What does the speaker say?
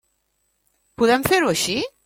Podem fer-ho així?